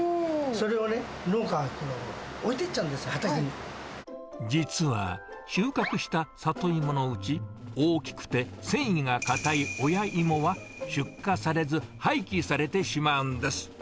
それをね、農家は置いていっちゃ実は、収穫したサトイモのうち、大きくて繊維が硬い親芋は出荷されず、廃棄されてしまうんです。